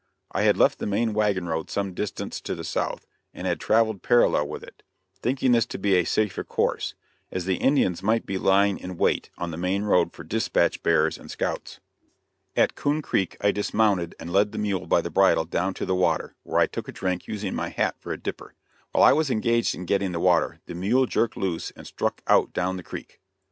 I had left the main wagon road some distance to the south, and had traveled parallel with it, thinking this to be a safer course, as the Indians might be lying in wait on the main road for dispatch bearers and scouts. At Coon Creek I dismounted and led the mule by the bridle down to the water, where I took a drink, using my hat for a dipper. While I was engaged in getting the water, the mule jerked loose and struck out down the creek.